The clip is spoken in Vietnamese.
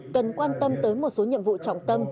cần quan tâm tới một số nhiệm vụ trọng tâm